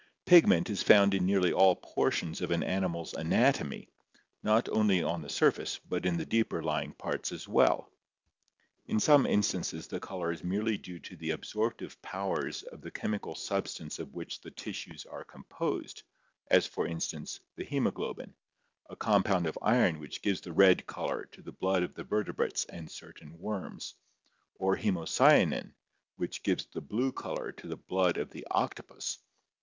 Pigment is found in nearly all portions of an animal's anatomy, not only on the surface but in the deeper lying parts as well. In some instances the color is merely due to the absorptive powers of the chemical substance of which the tissues are composed, as for instance, the haemoglobin, a compound of iron which gives the red color to the blood of the vertebrates and certain worms, or haemo cyanin, which gives the blue color to the blood of the octopus.